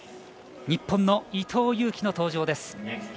日本の伊藤有希の登場です。